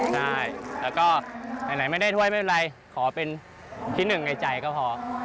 ได้แล้วก็ไหนไม่ได้ถ้วยไม่เป็นไรขอเป็นที่หนึ่งในใจก็พอ